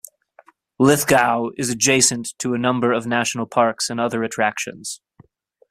Lithgow is adjacent to a number of national parks and other attractions.